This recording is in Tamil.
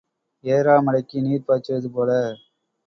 ஏறா மடைக்கு நீர் பாய்ச்சுவது போல.